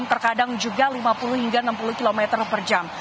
terkadang juga lima puluh hingga enam puluh km per jam